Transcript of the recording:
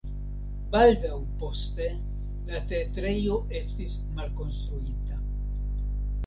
Baldaŭ poste la teatrejo estis malkonstruita.